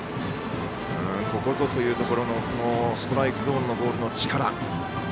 ここぞというところのストライクゾーンのボールの力。